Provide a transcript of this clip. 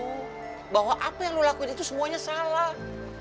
hai bahwa apa yang lo lakuin itu semuanya salah